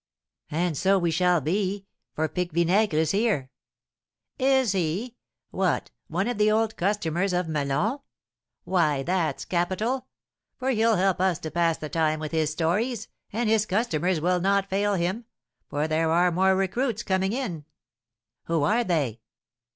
"And so we shall be, for Pique Vinaigre is here." "Is he? What, one of the old customers of Melun? Why, that's capital! For he'll help us to pass the time with his stories, and his customers will not fail him, for there are more recruits coming in." "Who are they?"